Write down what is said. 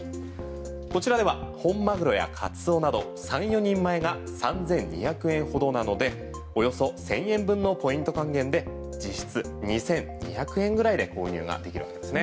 こちらでは本マグロやカツオなど３４人前が３２００円ほどなのでおよそ１０００円分のポイント還元で実質２２００円ぐらいで購入ができるわけですね。